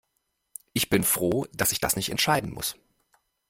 Ich bin froh, dass ich das nicht entscheiden muss.